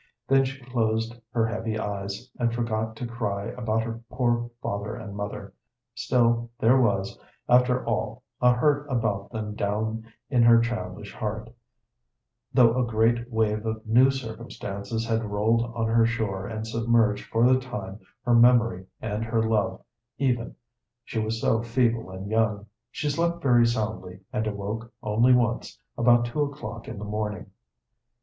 Then she closed her heavy eyes, and forgot to cry about her poor father and mother; still, there was, after all, a hurt about them down in her childish heart, though a great wave of new circumstances had rolled on her shore and submerged for the time her memory and her love, even, she was so feeble and young. She slept very soundly, and awoke only once, about two o'clock in the morning.